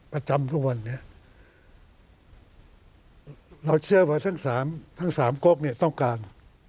ประจำทุกวันเนี่ยเราเชื่อว่าทั้งสามคนเนี่ยต้องการ